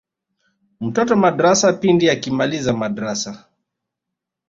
mtoto madrasa pindi akimaliza madrasa